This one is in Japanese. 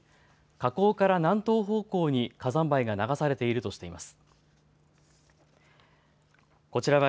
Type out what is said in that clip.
火口から南東方向に火山灰が流されているとしています。